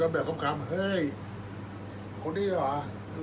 อันไหนที่มันไม่จริงแล้วอาจารย์อยากพูด